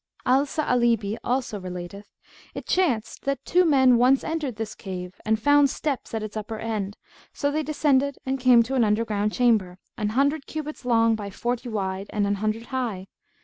'" Al Sa'alibi also relateth, "It chanced that two men once entered this cave and found steps at its upper end; so they descended and came to an underground chamber, an hundred cubits long by forty wide and an hundred high.